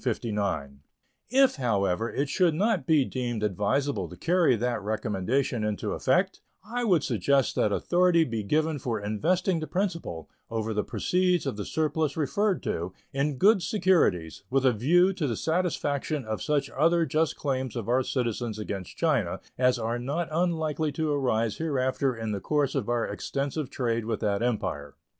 If, however, it should not be deemed advisable to carry that recommendation into effect, I would suggest that authority be given for investing the principal, over the proceeds of the surplus referred to, in good securities, with a view to the satisfaction of such other just claims of our citizens against China as are not unlikely to arise hereafter in the course of our extensive trade with that Empire.